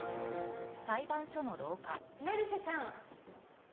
成瀬さん。